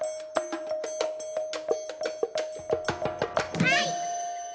はい！